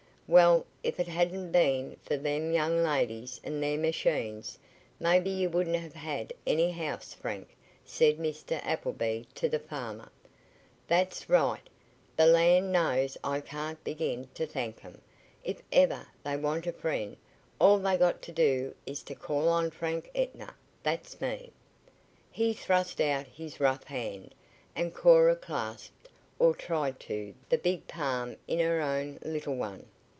"Well, if it hadn't been fer them young ladies and their machines, maybe you wouldn't have had any house, Frank," said Mr. Appleby to the farmer. "That's right; and land knows I can't begin t' thank 'em. If ever they want a friend, all they've got to do is t' call on Frank Ettner that's me." He thrust out his rough hand, and Cora clasped or tried to the big palm in her own little one.